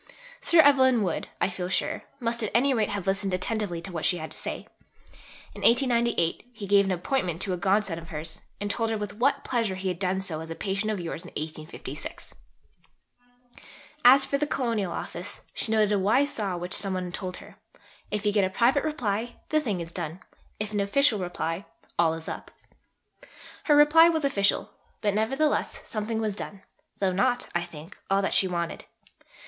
Sir Evelyn Wood, I feel sure, must at any rate have listened attentively to what she had to say. In 1898 he gave an appointment to a godson of hers and told her with what pleasure he had done so "as a patient of yours in 1856." As for the Colonial Office, she noted a wise saw which some one told her: "If you get a private reply, the thing is done; if an official reply, all is up." Her reply was official, but nevertheless something was done; though not, I think, all that she wanted.